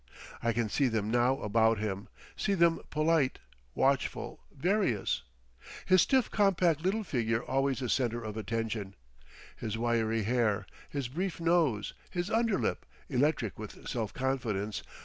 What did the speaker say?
I can see them now about him, see them polite, watchful, various; his stiff compact little figure always a centre of attention, his wiry hair, his brief nose, his under lip, electric with self confidence.